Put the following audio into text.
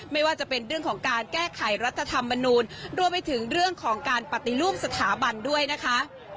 ไม่ว่าจะเป็นเรื่องของการแก้ไขรัฐธรรมนูลรวมไปถึงเรื่องของการปฏิรูปสถาบันด้วยนะคะ